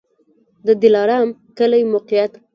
د دلارام کلی موقعیت